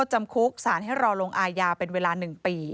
ให้รอลงอายาเป็นเวลา๑ปี